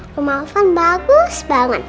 rumah ovan bagus banget